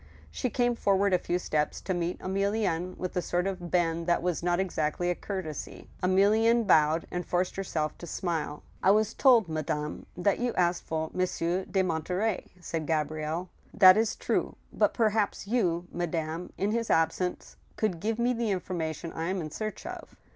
She came forward a few steps to meet Emilienne, with a sort of bend that was not exactly a courtesy. Emilienne bowed, and forced herself to smile. "I was told, madame, that you asked for Monsieur de Mon* terey ?" said Gabrielle. That is true ; but perhaps you, madame, in his absence, could give me the information I am in search of."